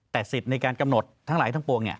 แต่สิทธิ์ในการกำหนดทั้งหลายทั้งปวง